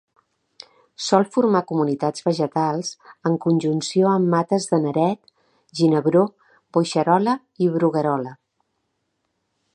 Sol formar comunitats vegetals en conjunció amb mates de neret, ginebró, boixerola i bruguerola.